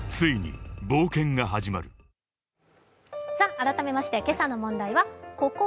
改めまして、今朝の問題です。